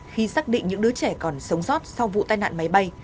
khi xác định những đứa trẻ còn sống sót sau vụ tai nạn máy bay